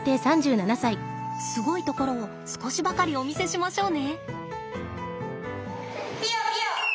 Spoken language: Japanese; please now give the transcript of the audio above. すごいところを少しばかりお見せしましょうね。